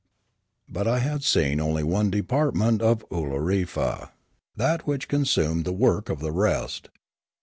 But I had seen only one department of Oolorefa, that which consummated the work of the rest.